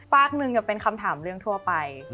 ฝากหนึ่งจะเป็นคำถามเรื่องทั่วไป